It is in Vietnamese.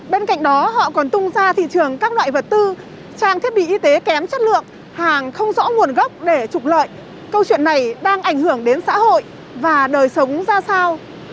bên cạnh đó họ còn tung ra thị trường các loại vật tư trang thiết bị y tế kém chất lượng hàng không rõ nguồn gốc để trục lợi câu chuyện này đang ảnh hưởng đến xã hội và đời sống ra sao